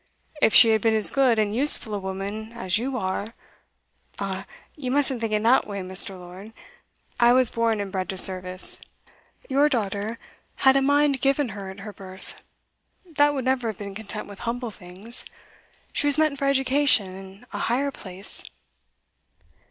If she had been as good and useful a woman as you are ' 'Ah, you mustn't think in that way, Mr. Lord. I was born and bred to service. Your daughter had a mind given her at her birth, that would never have been content with humble things. She was meant for education and a higher place.